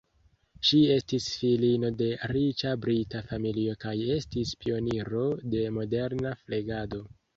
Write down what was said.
Ŝi estis filino de riĉa brita familio kaj estis pioniro de moderna flegado.